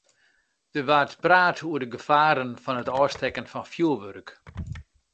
Der waard praat oer de gefaren fan it ôfstekken fan fjurwurk.